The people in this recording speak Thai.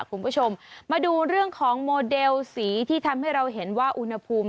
คุณผู้ชมมาดูเรื่องของโมเดลสีที่ทำให้เราเห็นว่าอุณหภูมิ